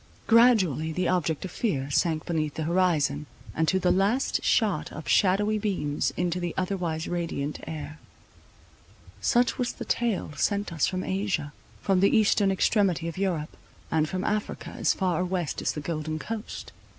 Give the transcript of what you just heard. Gradually the object of fear sank beneath the horizon, and to the last shot up shadowy beams into the otherwise radiant air. Such was the tale sent us from Asia, from the eastern extremity of Europe, and from Africa as far west as the Golden Coast.